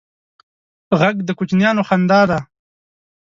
غږ د کوچنیانو خندا ده